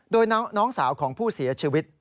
โดยน้องสาวของผู้เสียชีวิต